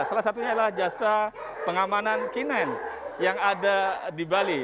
salah satunya adalah jasa pengamanan kinan yang ada di bali